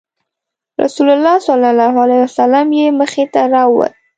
رسول الله صلی الله علیه وسلم یې مخې ته راووت.